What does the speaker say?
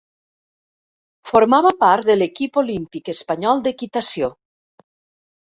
Formava part de l'equip olímpic espanyol d'equitació.